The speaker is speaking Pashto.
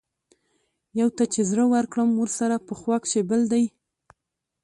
يو ته چې زړۀ ورکړم ورسره پۀ خوا کښې بل دے